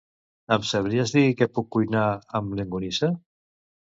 Em sabries dir què puc cuinar amb llonganissa?